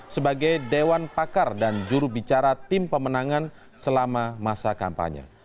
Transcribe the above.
sebagai dewan pakar dan jurubicara tim pemenangan selama masa kampanye